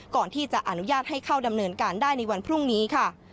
ก่อนที่จะอนุญาตให้เข้าดำเนินการได้ในวันพรุ่งนี้ค่ะ